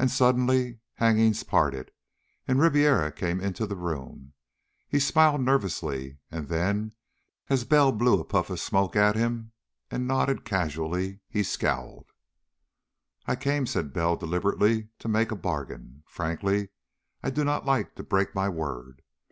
And suddenly hangings parted, and Ribiera came into the room. He smiled nervously, and then, as Bell blew a puff of smoke at him and nodded casually, he scowled. "I came," said Bell deliberately, "to make a bargain. Frankly, I do not like to break my word.